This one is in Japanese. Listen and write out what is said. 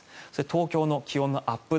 東京の気温のアップ